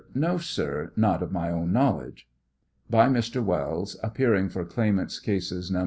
No, sir ; not of my own knowledge. By Mr. Wells, [appearing for claimants' cases, Nos.